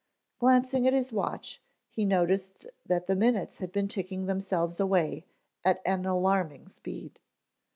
Glancing at his watch he noticed that the minutes had been ticking themselves away at an alarming speed.